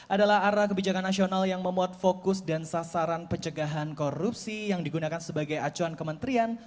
adalah arah kebijakan nasional yang memuat fokus dan sasaran pencegahan korupsi yang digunakan sebagai acuan kementerian